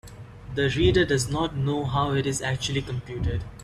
The reader does not need to know how it is actually computed.